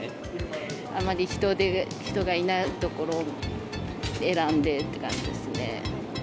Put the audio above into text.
あまり人がいない所を選んでっていう感じですね。